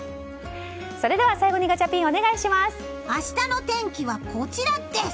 それでは最後にガチャピン明日の天気はこちらです！